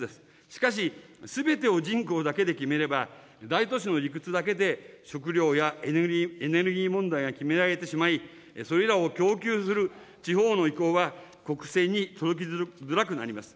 しかし、すべてを人口だけで決めれば、大都市の理屈だけで食料やエネルギー問題が決められてしまい、それらを供給する地方の意向は、国政に届きづらくなります。